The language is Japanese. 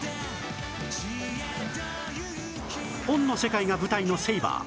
本の世界が舞台の『セイバー』